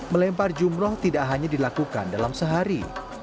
melempar jumroh tidak hanya dilakukan dalam sehari